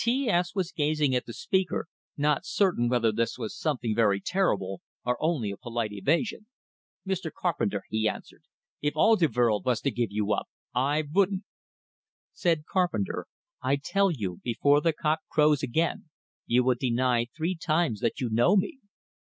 T S was gazing at the speaker, not certain whether this was something very terrible, or only a polite evasion. "Mr. Carpenter," he answered, "if all de vorld vas to give you up, I vouldn't!" Said Carpenter: "I tell you, before the cock crows again, you will deny three times that you know me."